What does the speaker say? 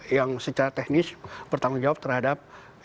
yang secara teknis bertanggung jawab terhadap